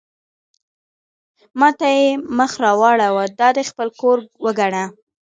ما ته یې مخ را واړاوه: دا دې خپل کور وګڼه.